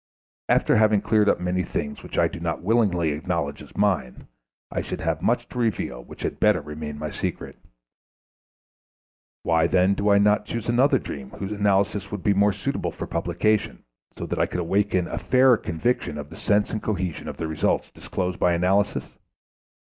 After having cleared up many things which I do not willingly acknowledge as mine, I should have much to reveal which had better remain my secret. Why, then, do not I choose another dream whose analysis would be more suitable for publication, so that I could awaken a fairer conviction of the sense and cohesion of the results disclosed by analysis?